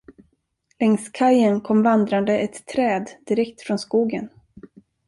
Längs kajen kom vandrande ett träd direkt från skogen.